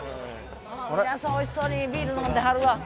皆さんおいしそうにビール飲んではるわ。